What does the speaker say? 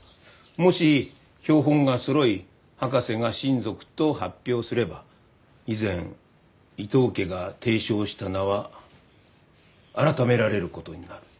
もし標本がそろい博士が新属と発表すれば以前伊藤家が提唱した名は改められることになる。